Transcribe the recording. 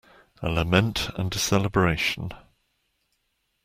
A lament and a celebration.